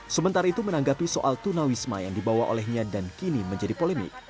sementara itu menanggapi soal tunawisma yang dibawa olehnya dan kini menjadi polemik